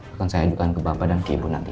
akan saya ajukan ke bapak dan ke ibu nanti